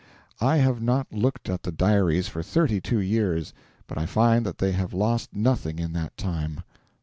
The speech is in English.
I have not looked at the diaries for thirty two years, but I find that they have lost nothing in that time.